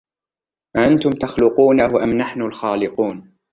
أأنتم تخلقونه أم نحن الخالقون